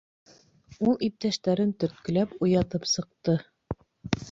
Ул иптәштәрен төрткөләп уятып сыҡты.